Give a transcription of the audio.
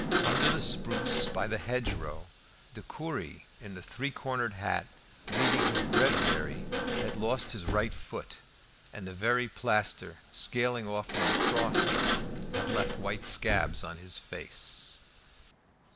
Under the spruce by the hedgerow, the curé in the three cornered hat reading his breviary had lost his right foot, and the very plaster, scaling off with the frost, had left white scabs on his face.